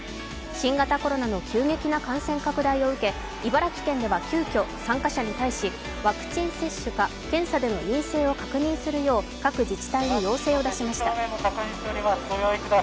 新型コロナの急激な感染拡大を受け、茨城県では急きょ参加者に対し、ワクチン接種や検査で陰性を確認するよう各自治体に要請を出しました。